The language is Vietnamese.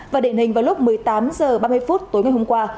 và để hình vào lúc một mươi tám h ba mươi phút tối ngày hôm qua